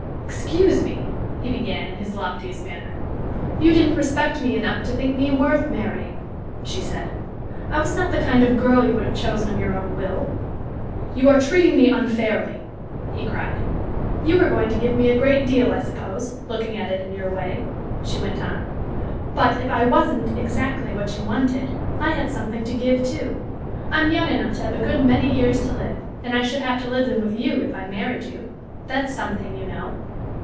"Excuse me" he began, in his loftiest manner. "You didn't respect me enough to think me worth marrying," she said. "I was not the kind of girl you would have chosen of your own will." "You are treating me unfairly!" he cried. "You were going to give me a great deal, I suppose looking at it in your way," she went on; "but, if I wasn't exactly what you wanted, I had something to give too. I'm young enough to have a good many years to live; and I should have to live them with you, if I married you. That's something, you know."